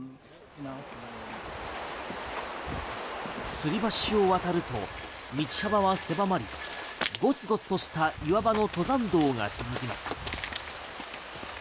つり橋を渡ると道幅は狭まりごつごつとした岩場の登山道が続きます。